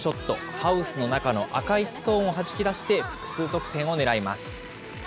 ハウスの中の赤いストーンをはじき出して、複数得点を狙います。